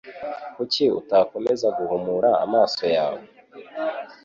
Kuki utakomeza guhumura amaso yawe?